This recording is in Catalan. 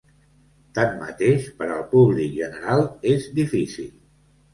Tanmateix, per al públic general és difícil.